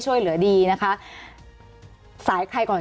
สวัสดีครับทุกคน